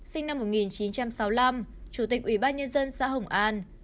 sinh năm một nghìn chín trăm sáu mươi năm chủ tịch ủy ban nhân dân xã hồng an